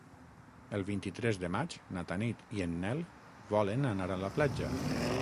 El vint-i-tres de maig na Tanit i en Nel volen anar a la platja.